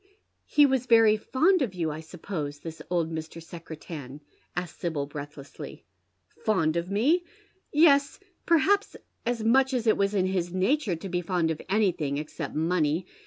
" He was very fond of you, I suppose, this old Mr. Secretan ?" asks Sibyl, breathlessly. " Fond of me V Yes, perhaps as much as it was in liis natura to be fond of anything, except money.